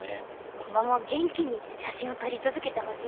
今後も元気に写真を撮り続けてほしいですね。